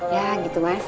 ya gitu mas